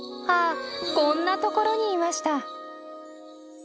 ああこんな所にいました。